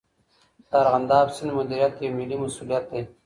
د ارغنداب سیند مدیریت یو ملي مسئولیت دی.